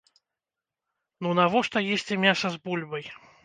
Ну навошта есці мяса з бульбай?